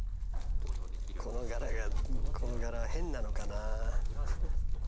この柄がこの柄変なのかな？